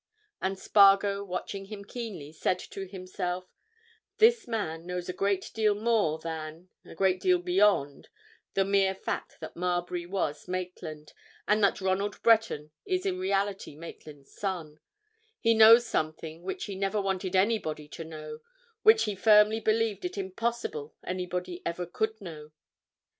And Spargo, watching him keenly, said to himself: This man knows a great deal more than, a great deal beyond, the mere fact that Marbury was Maitland, and that Ronald Breton is in reality Maitland's son; he knows something which he never wanted anybody to know, which he firmly believed it impossible anybody ever could know.